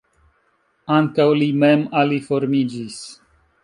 Ankaŭ li mem aliformiĝis.